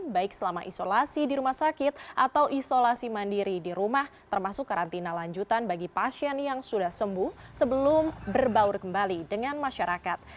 baik selama isolasi di rumah sakit atau isolasi mandiri di rumah termasuk karantina lanjutan bagi pasien yang sudah sembuh sebelum berbaur kembali dengan masyarakat